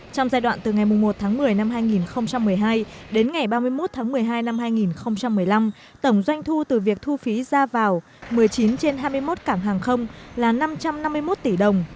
trong giai đoạn từ ngày một tháng một mươi năm hai nghìn một mươi hai đến ngày ba mươi một tháng một mươi hai năm hai nghìn một mươi năm tổng doanh thu từ việc thu phí ra vào một mươi chín trên hai mươi một cảng hàng không là năm trăm năm mươi một tỷ đồng